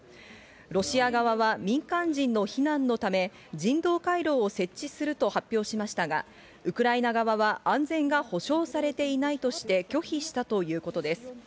ロシア側は民間人の避難のため人道回廊を設置すると発表しましたが、ウクライナ側は安全が保証されていないとして拒否したということです。